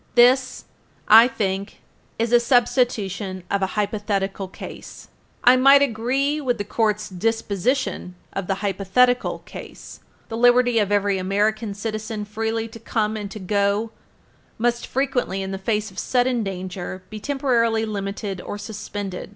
This, I think, is a substitution of an hypothetical case for the case actually before the court. I might agree with the court's disposition of the hypothetical case. [Footnote 2/8] The liberty of every American citizen freely to come and to go must frequently, in the face of sudden danger, be temporarily limited or suspended.